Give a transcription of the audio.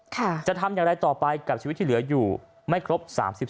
จะทำอย่างไรต่อไปกับชีวิตที่เหลืออยู่ไม่ครบ๓๖